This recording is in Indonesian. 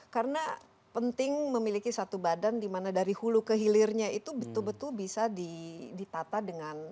karena penting memiliki satu badan dimana dari hulu ke hilirnya itu betul betul bisa ditata dengan